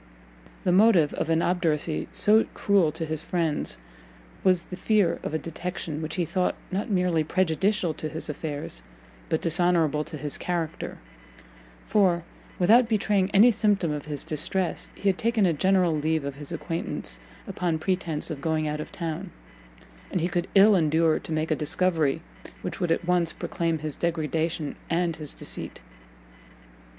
The motive of an obduracy so cruel to his friends was the fear of a detection which he thought not merely prejudicial to his affairs, but dishonourable to his character: for, without betraying any symptom of his distress, he had taken a general leave of his acquaintance upon pretence of going out of town, and he could ill endure to make a discovery which would at once proclaim his degradation and his deceit.